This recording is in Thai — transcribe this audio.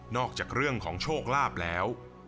อกจากเรื่องของโชคลาภแล้ว